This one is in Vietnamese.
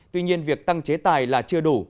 tuy nhiên việc tăng chế tài là chưa đủ